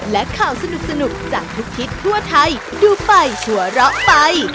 และข่าวสนุกจากทุกทิศทั่วไทยดูไปชัวเราไป